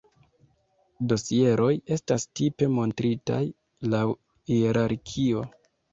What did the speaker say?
Dosieroj estas tipe montritaj laŭ hierarkio.